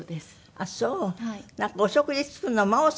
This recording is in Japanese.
あっそう。